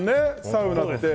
サウナって。